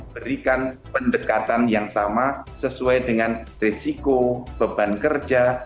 berikan pendekatan yang sama sesuai dengan risiko beban kerja